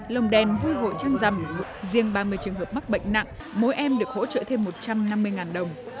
lồng đèn vui hội trăng rằm riêng ba mươi trường hợp mắc bệnh nặng mỗi em được hỗ trợ thêm một trăm năm mươi đồng